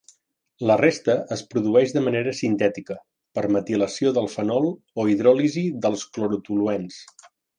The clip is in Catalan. La resta es produeix de manera sintètica, per metilació del fenol o hidròlisi dels clorotoluens.